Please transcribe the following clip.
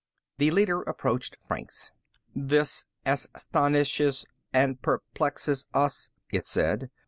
The leader approached Franks. "This astonishes and perplexes us," it said.